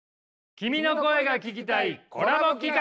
「君の声が聴きたい」コラボ企画。